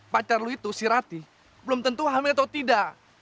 pacar lo itu si rati belum tentu hamil atau tidak